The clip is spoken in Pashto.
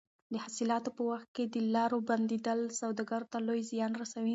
د حاصلاتو په وخت کې د لارو بندېدل سوداګرو ته لوی زیان رسوي.